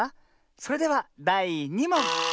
それではだい２もん。